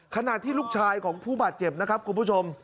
ขณะที่ลูกชายของผู้บาดเจ็บนะครับคุณผู้ชม